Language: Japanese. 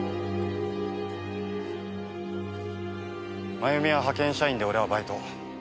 まゆみは派遣社員で俺はバイト。